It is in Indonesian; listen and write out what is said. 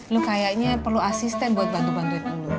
lu kayaknya perlu asisten buat bantu bantuin dulu